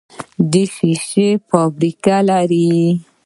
د شیشې فابریکه لرو؟